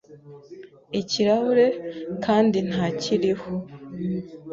ikirahure, kandi ntakiriho. ”